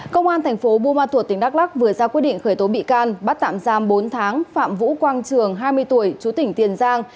công an thành phố buôn ma thuột tỉnh đắk lắc vừa ra quyết định khởi tố bị can bắt tạm giam bốn tháng phạm vũ quang trường hai mươi tuổi chú tỉnh tiền giang